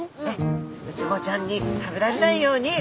ウツボちゃんに食べられないように。